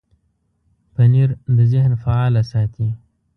پنېر د ذهن فعاله ساتي.